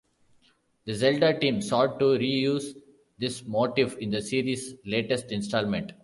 The "Zelda" team sought to reuse this motif in the series' latest installment.